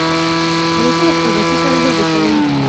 وزې د خپل بچي سره لوبې کوي